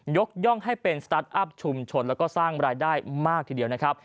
ย่องให้เป็นสตาร์ทอัพชุมชนแล้วก็สร้างรายได้มากทีเดียวนะครับ